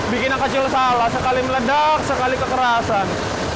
bikin yang kecil salah sekali meledak sekali kekerasan